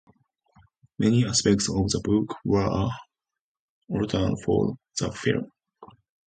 Many aspects of the book were altered for the film.